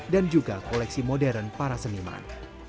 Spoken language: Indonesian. dan juga koleksi modern para seniman